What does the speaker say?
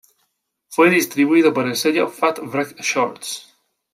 Fue distribuido por el sello Fat Wreck Chords.